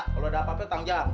kalau ada apa apa tangjang